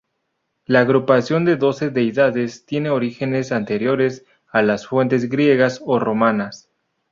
La agrupación de doce deidades tiene orígenes anteriores a las fuentes griegas o romanas.